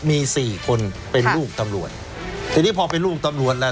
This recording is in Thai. มีสี่คนเป็นลูกตำรวจทีนี้พอเป็นลูกตำรวจแล้ว